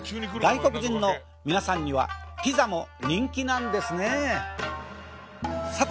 外国人の皆さんにはピザも人気なんですねえ。